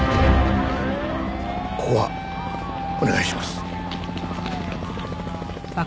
ここはお願いします。